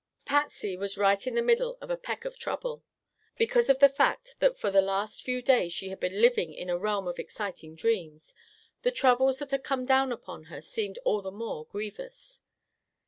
Patsy was right in the middle of a peck of trouble. Because of the fact that for the last few days she had been living in a realm of exciting dreams, the troubles that had come down upon her seemed all the more grievous.